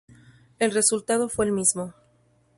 El resultado fue el mismo.